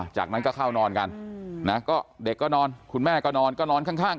จากนั้นก็เข้านอนกันนะก็เด็กก็นอนคุณแม่ก็นอนก็นอนข้าง